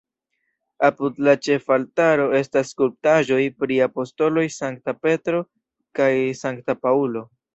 Apud la ĉefaltaro estas skulptaĵoj pri apostoloj Sankta Petro kaj Sankta Paŭlo.